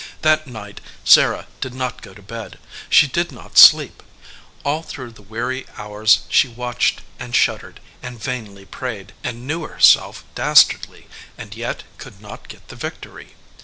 That night Sarah did not go to bed. She did not sleep. All through the weary hours she watched and shuddered, and vainly prayed, and knew her self dastardly, and yet could not get the victory.